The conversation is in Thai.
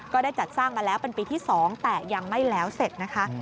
ก็ได้จัดสร้างมาแล้วเป็นปีที่๒แต่ยังไม่แล้วเสร็จนะคะ